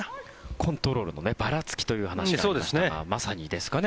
コントロールのばらつきという話がありましたがまさにですかね。